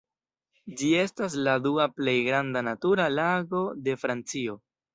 Ĝi estas la dua plej granda natura lago de Francio.